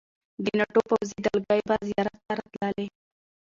د ناټو پوځي دلګۍ به زیارت ته راتللې.